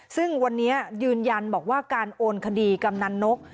ซึ่งวันนี้ยืนยันบอกว่าการโอนคดีกำนันนก